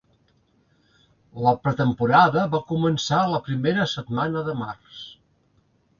La pretemporada va començar la primera setmana de març.